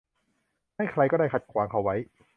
ให้ใครก็ได้ขัดขวางเขาไว้